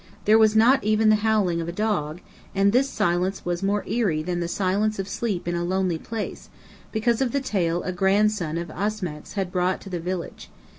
There was not even the howling of a dog; and this silence was more eerie than the silence of sleep in a lonely place; because of the tale a grandson of Asmack's had brought to the village.